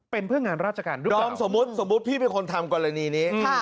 เป็นเพื่องงานราชการรึเปล่าสมมุติสมมุติพี่เป็นคนทำกรณีนี้ครับ